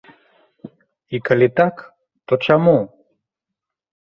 І калі так, то чаму?